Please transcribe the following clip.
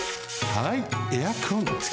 はいエアコンつけます。